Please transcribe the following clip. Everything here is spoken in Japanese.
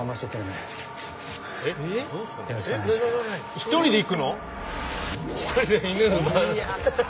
１人で行く。